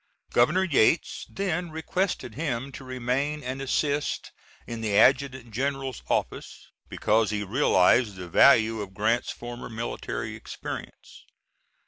Governor Yates then requested him to remain and assist in the adjutant general's office, because he realized the value of Grant's former military experience.